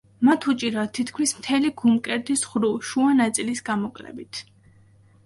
მათ უჭირავთ თითქმის მთელი გულმკერდის ღრუ, შუა ნაწილის გამოკლებით.